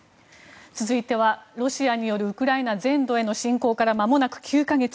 続いてはロシアによるウクライナ全土への侵攻からまもなく９か月。